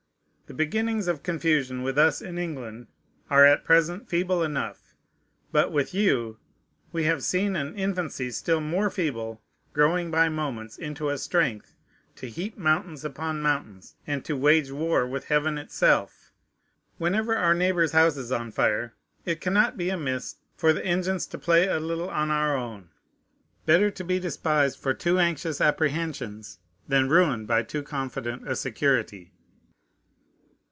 The beginnings of confusion with us in England are at present feeble enough; but with you we have seen an infancy still more feeble growing by moments into a strength to heap mountains upon mountains, and to wage war with Heaven itself. Whenever our neighbor's house is on fire, it cannot be amiss for the engines to play a little on our own. Better to be despised for too anxious apprehensions than ruined by too confident a security.